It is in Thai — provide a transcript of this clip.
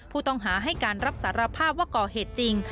ผู้ต้องหาให้การรับสารภาพว่าก่อเหตุจริง